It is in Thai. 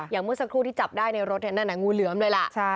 เมื่อสักครู่ที่จับได้ในรถนั่นน่ะงูเหลือมเลยล่ะ